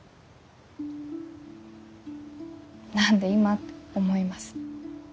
何で今？って思います。